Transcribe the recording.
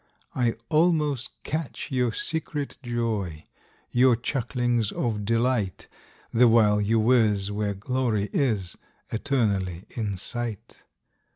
I almost catch your secret joy Your chucklings of delight, The while you whizz where glory is Eternally in sight!